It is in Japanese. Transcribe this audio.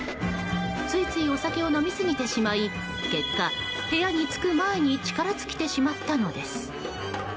ついついお酒を飲みすぎてしまい結果、部屋に着く前に力尽きてしまったのです。